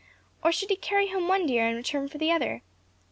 or should he carry home one deer and return for the other?